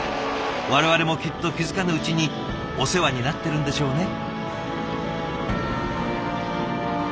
我々もきっと気付かぬうちにお世話になってるんでしょうね。